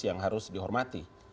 yang harus dihormati